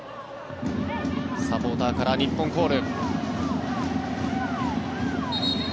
サポーターから日本コール。